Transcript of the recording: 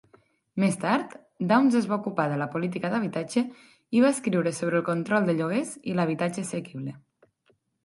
Més tard, Downs es va ocupar de la política d'habitatge i va escriure sobre el control de lloguers i l'habitatge assequible.